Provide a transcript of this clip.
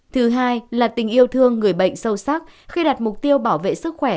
thứ hai là tình yêu thương người bệnh sâu sắc khi đặt mục tiêu bảo vệ sức khỏe